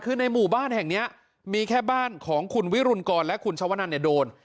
คือในหมู่บ้านแห่งนี้มีแค่บ้านของคุณวิรุณกรและคุณชวนันเนี่ยโดน